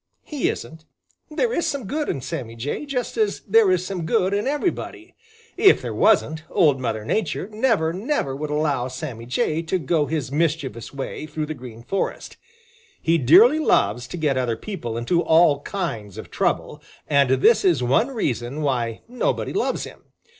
He isn't. There is some good in Sammy Jay, just as there is some good in everybody. If there wasn't, Old Mother Nature never, never would allow Sammy Jay to go his mischievous way through the Green Forest. He dearly loves to get other people into all kinds of trouble, and this is one reason why nobody loves him.